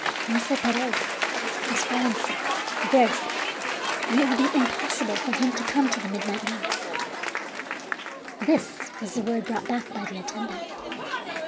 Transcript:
"Maese Perez has fallen sick, very sick, and it will be impossible for him to come to the midnight mass." This was the word brought back by the attendant.